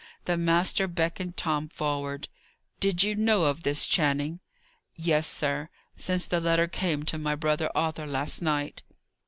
The master beckoned Tom forward. "Did you know of this, Channing?" "Yes, sir; since the letter came to my brother Arthur last night."